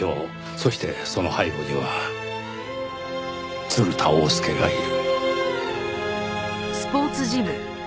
そしてその背後には鶴田翁助がいる。